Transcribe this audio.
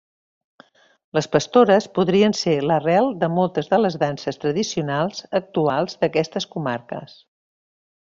Les pastores podrien ser l'arrel de moltes de les danses tradicionals actuals d'aquestes comarques.